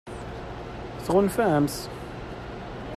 Tɣunfam-t?